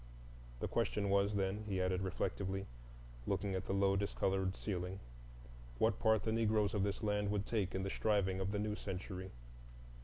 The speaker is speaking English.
The question was, then, he added reflectively, looking at the low discolored ceiling, what part the Negroes of this land would take in the striving of the new century.